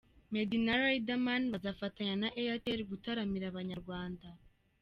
Meddy na Riderman bazafatanya na Airtel gutaramira abanyarwanda.